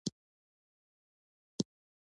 جواهرات د افغانستان د فرهنګي فستیوالونو برخه ده.